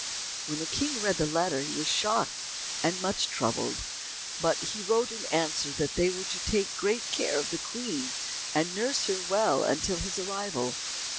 When the King read the letter he was shocked and much troubled, but he wrote in answer that they were to take great care of the Queen and nurse her well until his arrival.